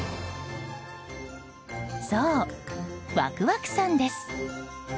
そう、ワクワクさんです。